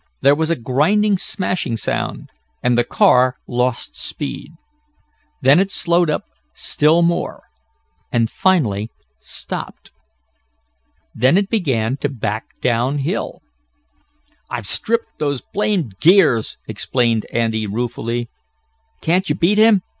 There was a grinding, smashing sound, and the car lost speed. Then it slowed up still more, and finally stopped. Then it began to back down hill. "I've stripped those blamed gears!" exclaimed Andy ruefully. "Can't you beat him?"